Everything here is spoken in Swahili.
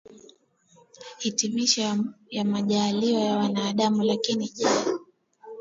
hitimishi ya majaaliwa ya mwanadamu Lakini je